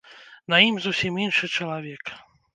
На ім зусім іншы чалавек.